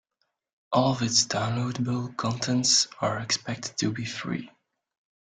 All of its downloadable contents are expected to be free.